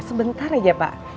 sebentar aja pak